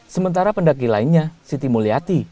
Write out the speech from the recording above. sementara pendaki lainnya siti mulyati